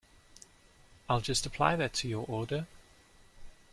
I'll just apply that to your order.